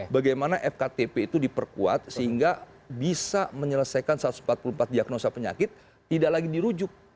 bagaimana fktp itu diperkuat sehingga bisa menyelesaikan satu ratus empat puluh empat diagnosa penyakit tidak lagi dirujuk